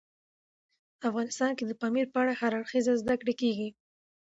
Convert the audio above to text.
افغانستان کې د پامیر په اړه هر اړخیزه زده کړه کېږي.